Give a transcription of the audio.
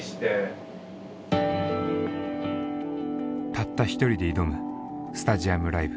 たった１人で挑むスタジアムライブ。